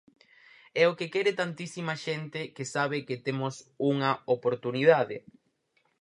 É o que quere tantísima xente que sabe que temos unha oportunidade.